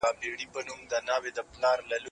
ښوونه او روزنه د ټولنې دنده ده.